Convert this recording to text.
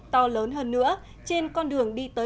to lớn hơn nữa trên con đường đi tới